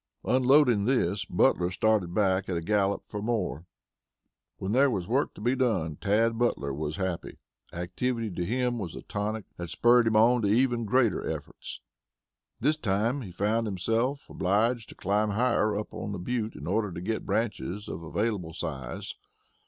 Unloading this, Butler started back at a gallop for more. When there was work to be done, Tad Butler was happy. Activity to him was a tonic that spurred him on to ever greater efforts. This time he found himself obliged to climb higher up the butte in order to get branches of available size.